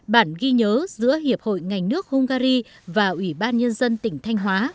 bản ghi nhớ giữa hiệp hội ngành nước hungary và ủy ban nhân dân tỉnh thanh hóa